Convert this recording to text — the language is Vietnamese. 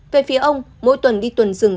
về phía ông mỗi tuần đi tuần rừng